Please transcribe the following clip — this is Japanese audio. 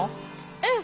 うん！